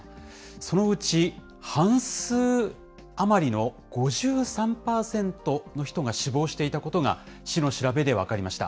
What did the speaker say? そのうち半数余りの５３％の人が死亡していたことが、市の調べで分かりました。